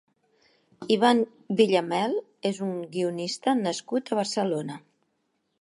Ivan Villamel és un guionista nascut a Barcelona.